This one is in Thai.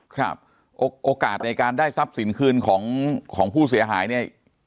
โอกาสในการได้ทรัพย์สินคืนของของผู้เสียหายเนี่ย